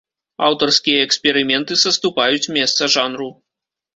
Аўтарскія эксперыменты саступаюць месца жанру.